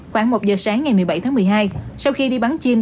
khoảng một giờ sáng ngày một mươi bảy tháng một mươi hai sau khi đi bắn chim